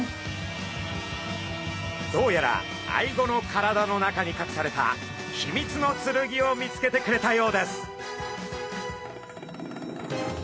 どうやらアイゴの体の中にかくされた秘密の剣を見つけてくれたようです。